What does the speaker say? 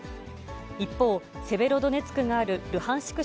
一方、セベロドネツクがあるルハンシク